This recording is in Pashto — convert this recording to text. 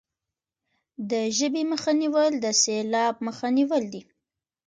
د ژبې مخه نیول د سیلاب مخه نیول دي.